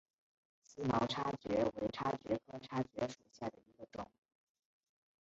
思茅叉蕨为叉蕨科叉蕨属下的一个种。